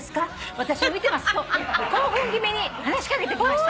私も見てます』と興奮気味に話し掛けてきました」